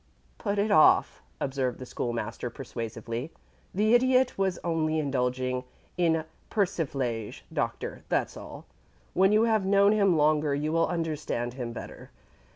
"Put it off," observed the School master, persuasively. "The Idiot was only indulging in persiflage, Doctor. That's all. When you have known him longer you will understand him better.